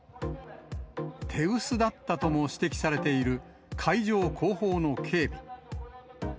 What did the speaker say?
手薄だったとも指摘されている会場後方の警備。